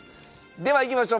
ではいきましょう。